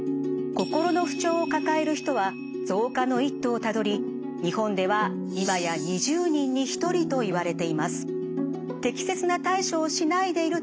心の不調を抱える人は増加の一途をたどり日本では今や２０人に１人といわれています。